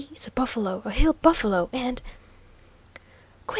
It's a buffalo, a hill buffalo, and " "Quick!